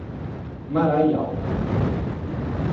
Maraial